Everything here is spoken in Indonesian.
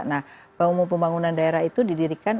nah umum pembangunan daerah itu didirikan